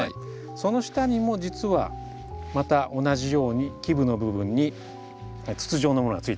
その下にも実はまた同じように基部の部分に筒状のものがついてます。